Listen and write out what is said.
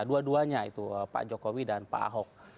dua duanya itu pak jokowi dan pak ahok